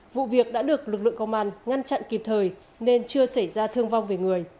vụ việc đã được lực lượng công an ngăn chặn kịp thời nên chưa xảy ra thương vong về người